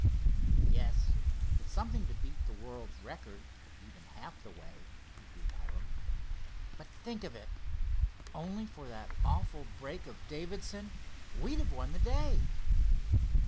"Yes, it's something to beat the world's record, even half the way," agreed Hiram. "But think of it—only for that awful break of Davidson we'd have won the day!"